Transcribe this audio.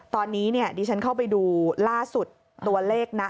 ตอนนี้เนี่ยดิฉันเข้าไปดูล่าสุดตัวเลขนะ